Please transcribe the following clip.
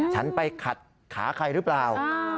ฉันไปขัดขาใครหรือเปล่า